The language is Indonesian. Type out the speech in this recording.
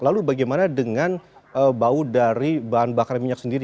lalu bagaimana dengan bau dari bahan bakar minyak sendiri